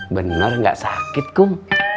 bener gak sakit kum